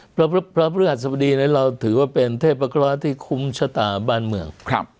พระพฤหัสบดีนั้นเราถือว่าเป็นเทพกราที่คุ้มชะตาบ้านเมือง